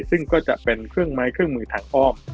ซึ่งก็จะเป็นเครื่องไม้เครื่องมือทางอ้อม